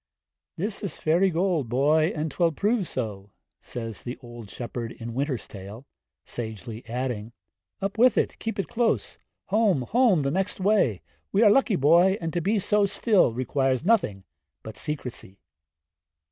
I. 'This is fairy gold, boy, and 'twill prove so,' says the old shepherd in 'Winter's Tale;' sagely adding, 'Up with it, keep it close; home, home, the next way. We are lucky, boy, and to be so still, requires nothing but secrecy.'